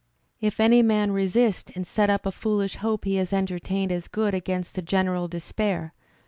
If any man re sist and set up a foolish hope he has entertained as good against the general' despair.